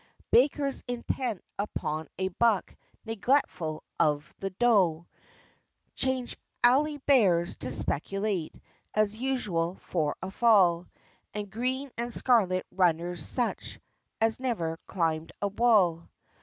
Bakers intent upon a buck, Neglectful of the dough! Change Alley Bears to speculate, As usual, for a fall; And green and scarlet runners, such As never climbed a wall!